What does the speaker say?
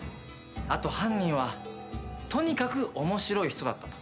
あと犯人は「とにかく面白い人だった」と。